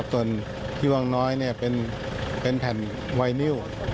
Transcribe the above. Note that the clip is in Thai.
ส่วนที่วังน้อยเป็นแผ่นไวนิว